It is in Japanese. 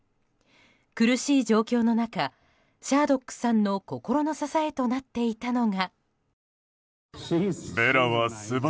苦しい状況の中シャードックさんの心の支えとなっていたのが。